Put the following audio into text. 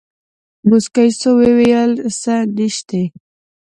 موسکى سو ويې ويل سه نيشتې.